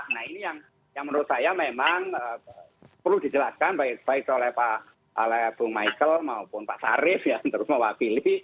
nah ini yang menurut saya memang perlu dijelaskan baik oleh bung michael maupun pak sarif yang terus mewakili